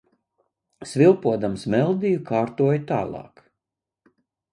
Svilpodams meldiju, kātoju tālāk.